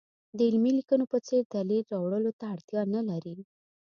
د علمي لیکنو په څېر دلیل راوړلو ته اړتیا نه لري.